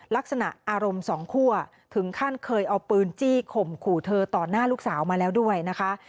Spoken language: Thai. ลักษณะอารมณ์สองคั่วถึงขั้นเคยเอาปืนจี้ข่มขู่เธอต่อหน้าลูกสาวมาแล้วด้วยนะคะ